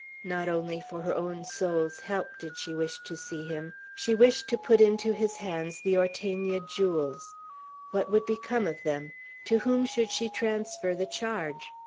Not only for her own soul's help did she wish to see him: she wished to put into his hands the Ortegna jewels. What would become of them? To whom should she transfer the charge?